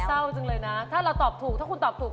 เศร้าจังเลยนะถ้าเราตอบถูกถ้าคุณตอบถูก